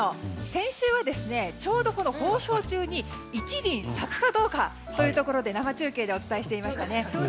先週はちょうどこの放送中に１輪、咲くかどうかというところで生中継でお伝えしていましたね。